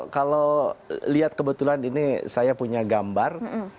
kalau lihat kebetulan ini saya punya gambar